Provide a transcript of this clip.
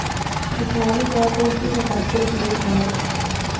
جسمانی طور پر بھی متاثر ہوئیں اور